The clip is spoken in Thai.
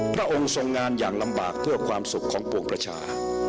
พระองค์ทรงงานอย่างลำบากเพื่อความสุขของปวงประชา